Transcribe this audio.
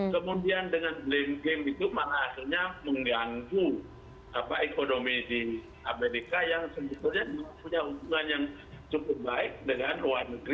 kemudian dengan blink game itu malah akhirnya mengganggu ekonomi di amerika yang sebetulnya punya hubungan yang cukup baik dengan luar negeri